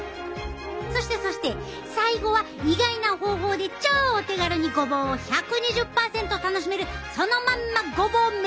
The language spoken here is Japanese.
そしてそして最後は意外な方法で超お手軽にごぼうを１２０％楽しめるそのまんまごぼう飯！